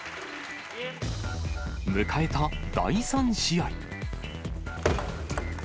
迎えた第３試合。